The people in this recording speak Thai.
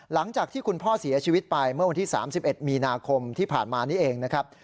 หลังจากที่คุณพ่อเสียชีวิตไปเมื่อวันที่๓๑มีนาคมที่ผ่านมานี้เองนะครับ